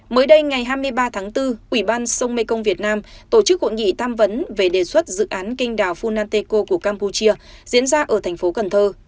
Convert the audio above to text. mới đây ngày hai mươi ba tháng bốn ủy ban sông mekong việt nam tổ chức cuộc nghị tham vấn về đề xuất dự án kênh đảo funanteko của campuchia diễn ra ở thành phố cần thơ